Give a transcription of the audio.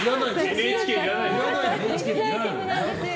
ＮＨＫいらないでしょ。